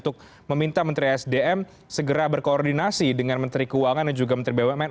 untuk meminta menteri sdm segera berkoordinasi dengan menteri keuangan dan juga menteri bumn